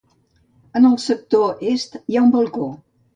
En el sector Est hi ha un balcó.